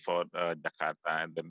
untuk jakarta pada